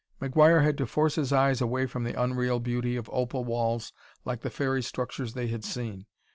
McGuire had to force his eyes away from the unreal beauty of opal walls like the fairy structures they had seen.